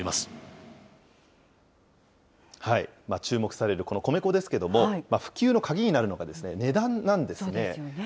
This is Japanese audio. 注目されるこの米粉ですけれども、普及の鍵になるのが値段なんですね。